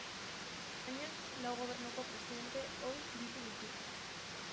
Espainiak lau Gobernuko presidente ohi ditu bizirik.